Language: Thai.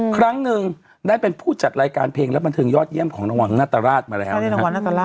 ครั้งหนึ่งได้เป็นผู้จัดรายการเพลงและบันเทิงยอดเยี่ยมของรางวัลนาตราชมาแล้ว